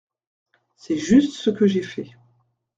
C’est juste ce que j’ai fait.